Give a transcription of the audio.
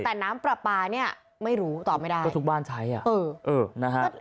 แต่น้ำปลาปลาเนี่ยไม่รู้ตอบไม่ได้ก็ทุกบ้านใช้อ่ะเออเออนะฮะ